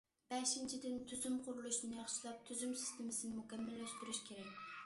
بەشىنچىدىن، تۈزۈم قۇرۇلۇشىنى ياخشىلاپ، تۈزۈم سىستېمىسىنى مۇكەممەللەشتۈرۈش كېرەك.